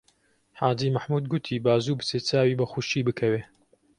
حاجی مەحموود گوتی: با زوو بچێ چاوی بە خوشکی بکەوێ